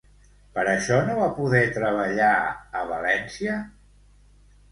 Per això no va poder treballar a València?